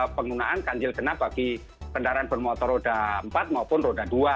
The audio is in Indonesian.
penggunaan ganjil genap bagi kendaraan bermotor roda empat maupun roda dua